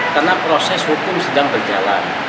karena proses hukum sedang berjalan